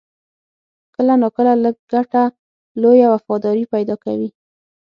کله ناکله لږ ګټه، لویه وفاداري پیدا کوي.